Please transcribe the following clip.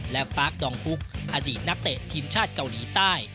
และปาร์คดองฮุกอดีตนักเตะทีมชาติเกาหลีใต้